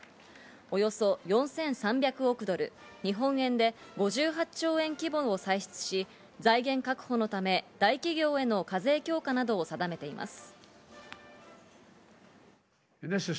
およそ４３００億ドル、日本円で５８兆円規模を歳出し、財源確保のため大企業への課税強化などを定めています。